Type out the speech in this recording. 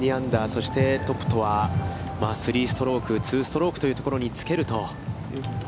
そして、トップとは３ストローク、２ストロークというところにつけると。